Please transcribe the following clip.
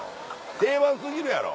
定番過ぎるやろ。